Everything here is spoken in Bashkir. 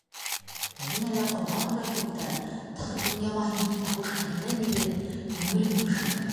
Бөгөн әллә Ҡорбан һорай күктәр — Тар донъяма һинең тауыш Әллә ниҙер күңелем бышылдай?